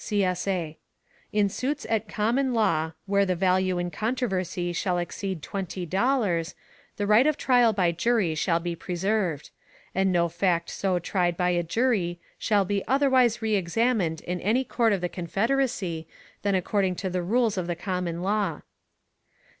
[CSA] In suits at common law, where the value in controversy shall exceed twenty dollars, the right of trial by jury shall be preserved; and no fact so tried by a jury shall be otherwise reëxamined in any court of the Confederacy, than according to the rules of the common law.